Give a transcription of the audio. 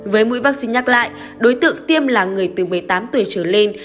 với mũi vaccine nhắc lại đối tượng tiêm là người từ một mươi tám tuổi trở lên